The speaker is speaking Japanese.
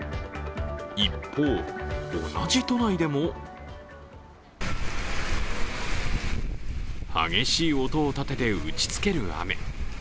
一方、同じ都内でも激しい音を立てて打ちつける雨。